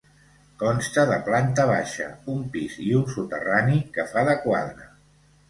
Consta de planta baixa, un pis i un soterrani que fa de quadra.